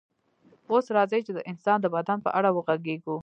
اوس راځئ چې د انسان د بدن په اړه وغږیږو